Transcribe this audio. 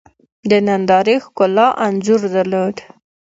د نندارې ښکلا انځور درلود.